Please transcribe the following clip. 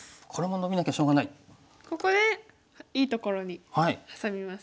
ここでいいところにハサみます。